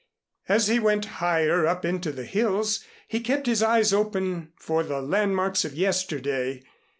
As he went higher up into the hills he kept his eyes open for the landmarks of yesterday.